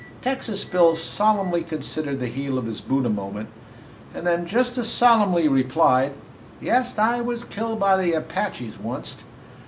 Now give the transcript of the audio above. Texas Bill solemnly considered the heel of his boot a moment, and then just as solemnly replied: "Yes, I was killed by the Apaches oncet."